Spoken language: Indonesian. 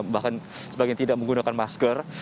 bahkan sebagian tidak menggunakan masker